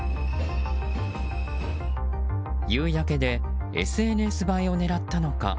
夕焼けでＳＮＳ映えを狙ったのか。